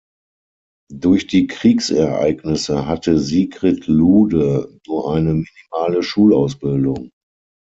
Durch die Kriegsereignisse hatte Sigrid Lude nur eine minimale Schulausbildung.